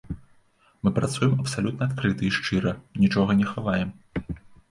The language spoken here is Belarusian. Мы працуем абсалютна адкрыта і шчыра, нічога не хаваем.